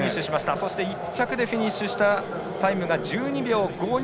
そして１着でフィニッシュのタイムが１２秒５２。